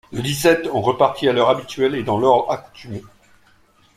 Le dix-sept, on repartit à l’heure habituelle et dans l’ordre accoutumé.